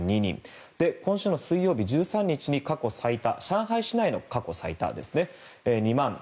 今週の水曜日１３日に上海市内の過去最多ですね。